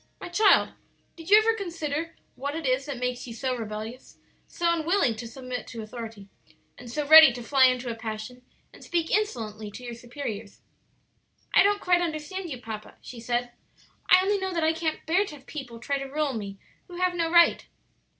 My child, did you ever consider what it is that makes you so rebellious, so unwilling to submit to authority, and so ready to fly into a passion and speak insolently to your superiors?" "I don't quite understand you papa," she said. "I only know that I can't bear to have people try to rule me who have no right."